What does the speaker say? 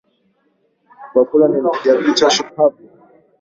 Wafula ni mpiga picha shupavu